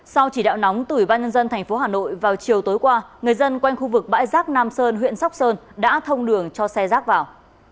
sau chỉ đạo nóng từ ủy ban nhân dân tp hà nội vào chiều tối qua người dân quanh khu vực bãi rác nam sơn huyện sóc sơn đã thông đường cho xe rác vào